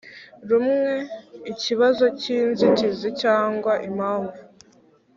Rumwe ikibazo cy inzitizi cyangwa impamvu